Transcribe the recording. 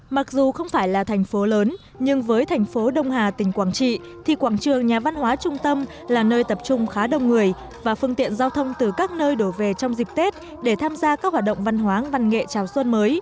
mặc dù không phải là thành phố lớn nhưng với thành phố đông hà tỉnh quảng trị thì quảng trường nhà văn hóa trung tâm là nơi tập trung khá đông người và phương tiện giao thông từ các nơi đổ về trong dịp tết để tham gia các hoạt động văn hóa văn nghệ chào xuân mới